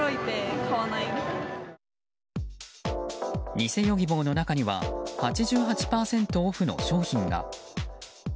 偽ヨギボーの中には８８％オフの商品が。